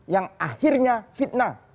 yang akhirnya fitnah